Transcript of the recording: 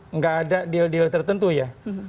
nggak ada deal deal tertentu ya